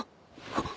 あっ！